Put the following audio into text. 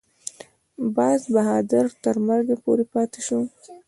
باز بهادر تر مرګه پورې پاته شو.